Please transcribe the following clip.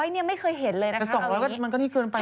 ๒๐๐นี่ไม่เคยเห็นเลยนะครับวันนี้แต่๒๐๐นี่มันก็ดีเกินไป